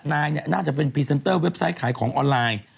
นายเนี่ยน่าจะเป็นพรีเซนเตอร์เว็บไซต์ขายของออนไลน์